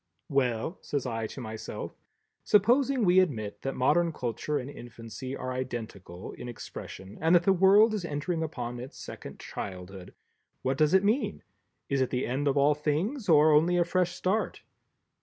"Well," says I to myself, "supposing we admit that Modern Culture and Infancy are identical in expression, and that the World is entering upon its second childhood; what does it mean⸺ Is it the end of all things or only a fresh start?"